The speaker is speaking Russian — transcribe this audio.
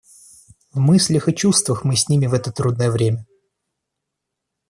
В мыслях и чувствах мы с ними в это трудное время.